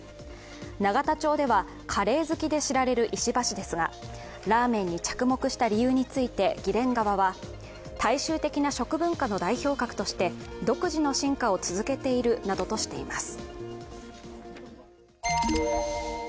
永田町ではカレー好きで知られる石破氏ですがラーメンに着目した理由について議連側は大衆的な食文化の代表格として独自の進化を続けているなどとしています。